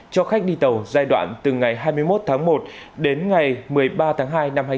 cho khách đi tàu giai đoạn từ ngày hai mươi một tháng một đến ngày một mươi ba tháng một